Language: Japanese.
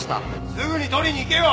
すぐに取りに行けよ！